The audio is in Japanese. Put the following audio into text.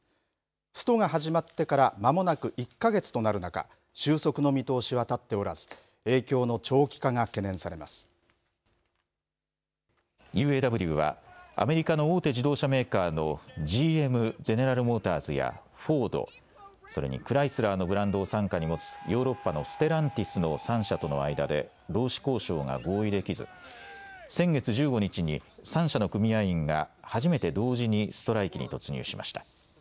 ストが始まってからまもなく１か月となる中終息の見通しは立っておらずＵＡＷはアメリカの大手自動車メーカーのＧＭ、ゼネラル・モーターズやフォードそれにクライスラーのブランドを傘下に持つヨーロッパのステランティスの３社との間で労使交渉が合意できず先月１５日に３社の組合員が初めて同時にストライキに突入しました。